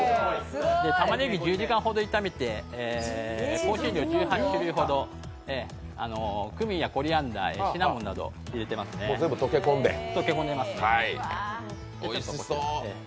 玉ねぎ１０時間ほど炒めて香辛料１８種類ほどクミンやコリアンダー、シナモンなどを入れて溶け込んでます。